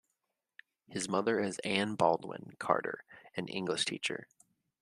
His mother is Anne Baldwin Carter, an English teacher.